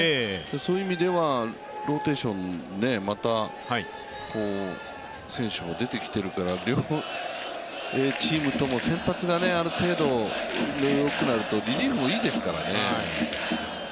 そういう意味ではローテーションまた選手も出てきているから、両方のチームとも先発がある程度よくなるとリリーフもいいですからね。